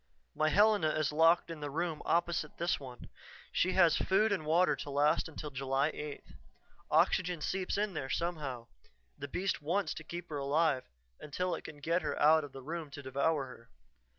"My Helena is locked in the room opposite this one. She has food and water to last until July 8th. Oxygen seeps in there somehow the beast wants to keep her alive until it can get her out of the room to devour her."